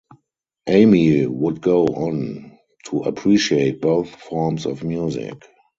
Amey would go on to appreciate both forms of music.